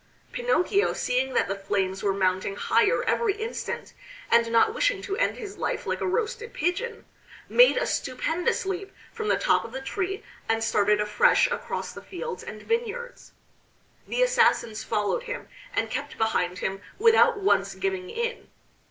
Pinocchio, seeing that the flames were mounting higher every instant, and not wishing to end his life like a roasted pigeon, made a stupendous leap from the top of the tree and started afresh across the fields and vineyards. The assassins followed him, and kept behind him without once giving in.